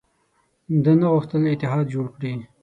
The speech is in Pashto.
ده نه غوښتل اتحاد جوړ کړي.